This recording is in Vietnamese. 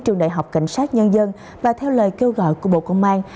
trường đại học cảnh sát nhân dân và theo lời kêu gọi của bộ công an